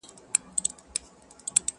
د کهول یو غړی تنها مات کړي.